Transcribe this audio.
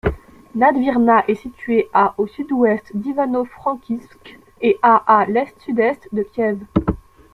Nadvirna est située à au sud-ouest d'Ivano-Frankivsk et à à l'est-sud-est de Kiev.